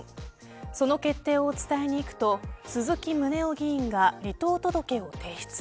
その決定を伝えに行くと鈴木宗男議員が離党届を提出。